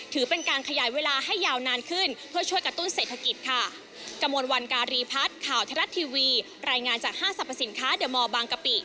ถือเป็นการขยายเวลาให้ยาวนานขึ้นเพื่อช่วยกระตุ้นเศรษฐกิจค่ะ